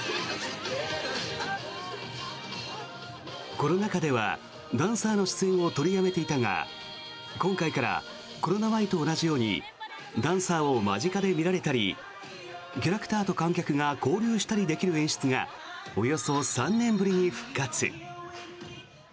コロナ禍では、ダンサーの出演を取りやめていたが今回からコロナ前と同じようにダンサーを間近で見られたりキャラクターと観客が交流したりできる演出がおよそ３年ぶりに復活。